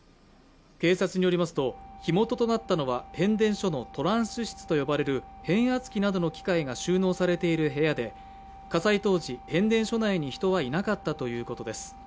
警察によりますと、火元となったのは変電所のトランス室と呼ばれる変圧器などの機械が収納されている部屋で、火災当時、変電所内に人はいなかったということです。